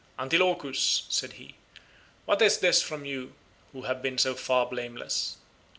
"Antilochus," said he, "what is this from you who have been so far blameless?